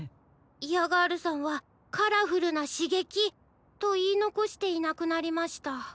ヤガールさんは「カラフルなしげき」といいのこしていなくなりました。